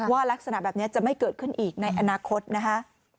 ลักษณะแบบนี้จะไม่เกิดขึ้นอีกในอนาคตนะคะ